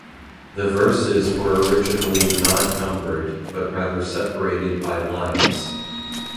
The verses were originally not numbered, but rather separated by lines.